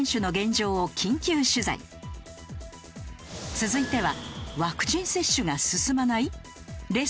続いては。